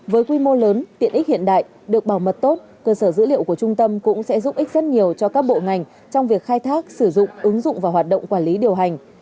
với quy mô lớn tiện ích hiện đại được bảo mật tốt cơ sở dữ liệu của trung tâm cũng sẽ giúp ích rất nhiều cho các bộ ngành trong việc khai thác sử dụng ứng dụng và hoạt động quản lý điều hành